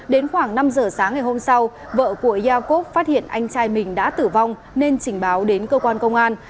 đến khoảng năm giờ sáng ngày hôm sau vợ của yakov phát hiện anh trai mình đã tử vong nên trình báo đến cơ quan công an